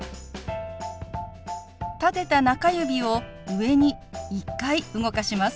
立てた中指を上に１回動かします。